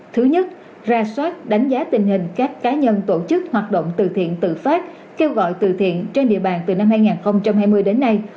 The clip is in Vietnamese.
thứ nhất ra soát đánh giá tình hình các cá nhân tổ chức hoạt động từ thiện tự phát kêu gọi từ thiện trên địa bàn từ năm hai nghìn hai mươi đến nay